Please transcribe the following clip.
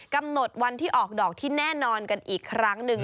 กำหนดวันที่ออกดอกที่แน่นอนกันอีกครั้งหนึ่ง